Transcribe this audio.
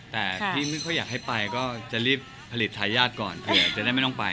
แต่ที่ไม่ค่อยอยากให้ไปก็จะรีบผลิตทายาทก่อนเผื่อจะได้ไม่ต้องไป